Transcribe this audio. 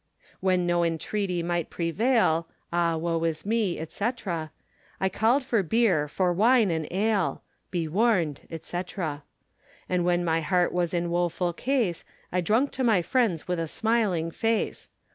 When no entreaty might prevaile, Ah woe is me, &c. I calde for beere, for wine and ale; Be warned, &c. And when my heart was in wofull case, I drunke to my friends with a smiling face.